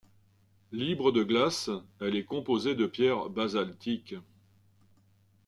Libre de glaces, elle est composée de pierres basaltiques.